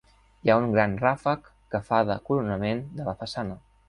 Hi ha un gran ràfec que fa de coronament de la façana.